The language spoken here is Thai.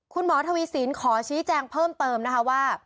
คุณหมอทวีสินขอชี้แจงเพิ่มเติมนะคะว่า